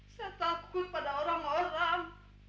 saya takut pada orang orang